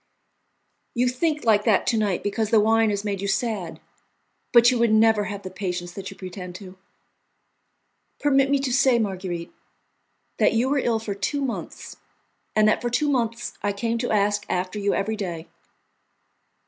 "You think like that to night because the wine has made you sad, but you would never have the patience that you pretend to." "Permit me to say, Marguerite, that you were ill for two months, and that for two months I came to ask after you every day."